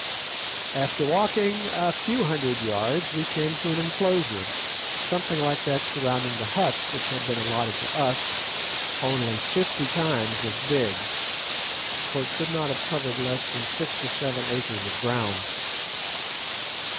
After walking a few hundred yards we came to an enclosure, something like that surrounding the huts which had been allotted to us, only fifty times as big, for it could not have covered less than six or seven acres of ground.